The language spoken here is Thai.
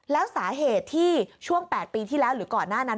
แล้วสาเหตุที่ช่วง๘ปีที่แล้วหรือก่อนหน้านั้น